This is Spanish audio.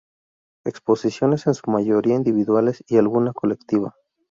Exposiciones en su mayoría individuales y alguna colectiva.